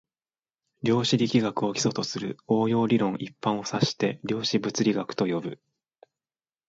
量子力学を基礎とする応用理論一般を指して量子物理学と呼ぶ